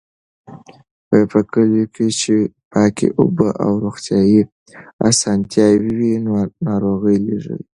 په کليو کې چې پاکې اوبه او روغتيايي اسانتیاوې وي، ناروغۍ لږېږي.